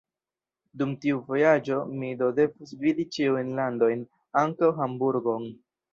Dum tiu vojaĝo mi do devus vidi ĉiujn landojn, ankaŭ Hamburgon.